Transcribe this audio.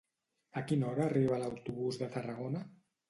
A quina hora arriba l'autobús de Tarragona?